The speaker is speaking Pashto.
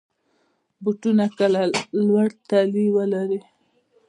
بوټونه کله لوړ تلي ولري.